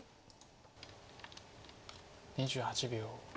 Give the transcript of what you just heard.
２８秒。